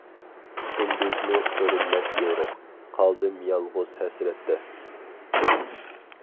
كۈندۈزمۇ كۆرۈنمەس يورۇق، قالدىم يالغۇز ھەسرەتتە.